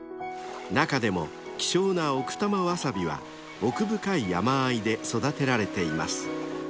［中でも希少な奥多摩わさびは奥深い山あいで育てられています］